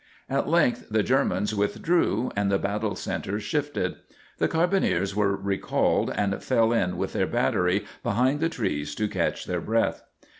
At length the Germans withdrew and the battle centre shifted. The carbineers were recalled and fell in with their battery behind the trees to catch their breath.